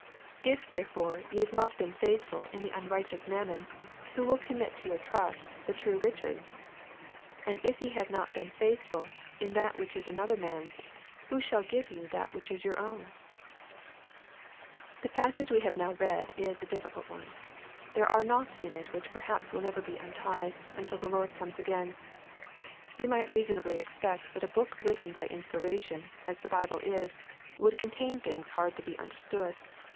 11 If therefore ye have not been faithful in the unrighteous mammon, who will commit to your trust the true riches t 12 And if ye have not been faith ful in that which is another man's, who shall give you that which is yoni ownf 196 EXPOSITORY THOUGHTS. The passage we have now read is a difficult one. There are knots in it which perhaps will never be untied, until the Lord comes again. We might reasonably expect that a book written by inspiration, as the Bible is, would contain things hard to be understood.